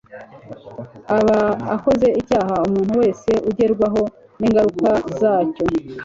aba akoze icyaha umuntu wese agerwa ho ningaruka zacyo